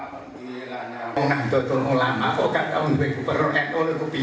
dalam sepanjang baik ini kita bersama sama untuk menjadi